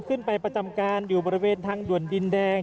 ประจำการอยู่บริเวณทางด่วนดินแดง